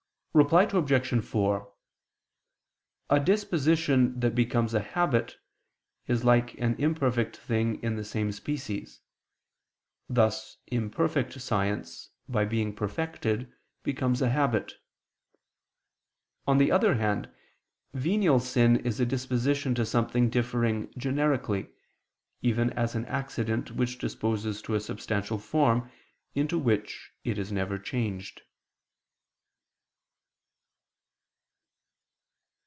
Reply Obj. 4: A disposition that becomes a habit, is like an imperfect thing in the same species; thus imperfect science, by being perfected, becomes a habit. On the other hand, venial sin is a disposition to something differing generically, even as an accident which disposes to a substantial form, into which it is never changed.